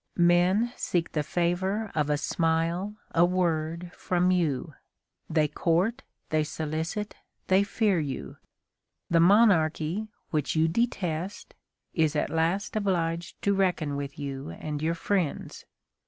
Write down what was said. Men seek the favor of a smile, a word, from you. They court, they solicit, they fear you. The monarchy, which you detest, is at last obliged to reckon with you and your friends.